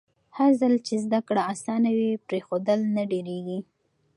هرځل چې زده کړه اسانه وي، پرېښودل نه ډېرېږي.